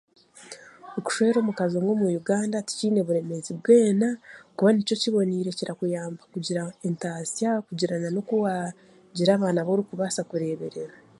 Okushwera omukazi omwe omu Uganda tikiine buremezi bwena kuba nikyo kiboniire kira kuyamba kugira entaasa kugira na n'okuwagira abaana b'orikubaasa kurebereera.